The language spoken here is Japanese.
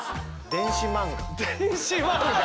電子漫画！